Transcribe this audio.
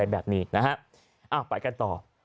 ไปกันต่อ